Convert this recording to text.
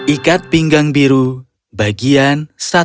ikat pinggang biru bagian satu